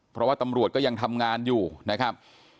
เพราะว่าตำรวจก็ยังทำงานอยู่นะครับ